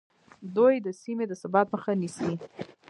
دوی د سیمې د ثبات مخه نیسي